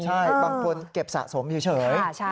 ใช่บางคนเก็บสะสมเฉย